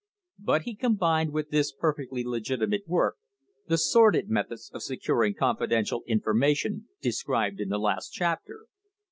But he combined with this perfectly legitimate work the sordid methods of securing confidential information de scribed in the last chapter.